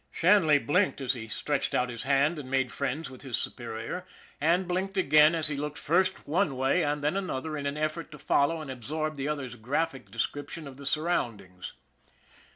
Shanley blinked as he stretched out his hand and made friends with his superior, and blinked again as SHANLEY'S LUCK 107 he looked first one way and then another in an effort to follow and absorb the other's graphic description of the surroundings.